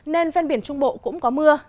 nên ven biển trung bộ cũng có mưa